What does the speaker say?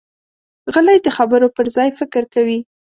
غلی، د خبرو پر ځای فکر کوي.